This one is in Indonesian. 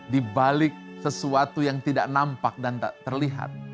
di balik sesuatu yang tidak nampak dan tak terlihat